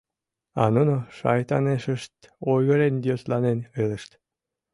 А нуно, шайтанешышт, ойгырен-йӧсланен илышт.